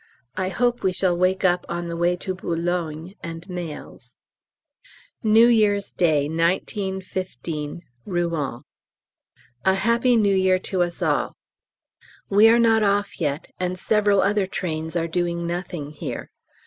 I hope we shall wake up on the way to Boulogne and mails. New Year's Day, 1915, Rouen. A Happy New Year to us all! We are not off yet, and several other trains are doing nothing here.